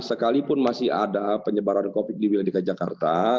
sekalipun masih ada penyebaran covid sembilan belas di wilayah dika jakarta